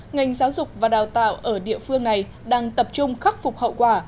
ngành giáo dục và đào tạo ở địa phương này đang tập trung khắc phục hậu quả